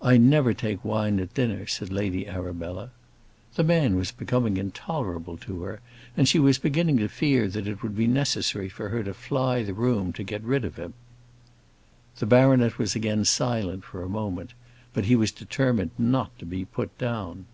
"I never take wine at dinner," said Lady Arabella. The man was becoming intolerable to her, and she was beginning to fear that it would be necessary for her to fly the room to get rid of him. The baronet was again silent for a moment; but he was determined not to be put down.